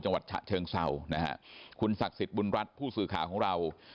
จังหวัดฉะเชิงเศร้านะฮะคุณศักดิ์สิทธิ์บุญรัฐผู้สื่อข่าวของเรา